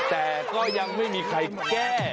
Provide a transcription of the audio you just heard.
แต่ก็ยังไม่มีใครแก้